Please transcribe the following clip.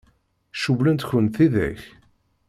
Cewwlent-kent tidak?